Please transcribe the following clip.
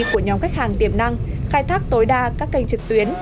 của nhóm khách hàng tiềm năng khai thác tối đa các kênh trực tuyến